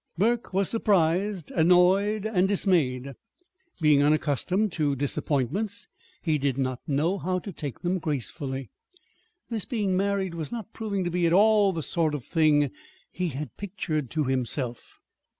Burke was surprised, annoyed, and dismayed. Being unaccustomed to disappointments he did not know how to take them gracefully. This being married was not proving to be at all the sort of thing he had pictured to himself.